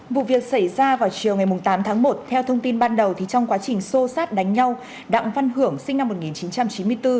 vụ việc xảy ra vào chiều ngày tám tháng một theo thông tin ban đầu trong quá trình xô sát đánh nhau đặng văn hưởng sinh năm một nghìn chín trăm chín mươi bốn